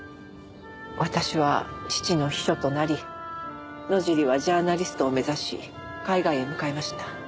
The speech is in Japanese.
私は父の秘書となり野尻はジャーナリストを目指し海外へ向かいました。